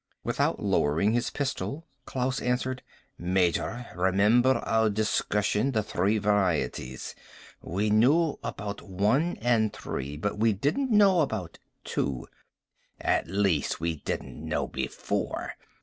Without lowering his pistol Klaus answered. "Major, remember our discussion? The Three Varieties? We knew about One and Three. But we didn't know about Two. At least, we didn't know before."